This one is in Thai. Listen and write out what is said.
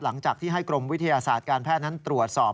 หลังจากที่ให้กรมวิทยาศาสตร์การแพทย์นั้นตรวจสอบ